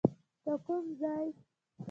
د کوم ځای؟